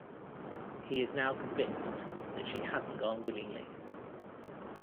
He is now convinced that she hasn't gone willingly.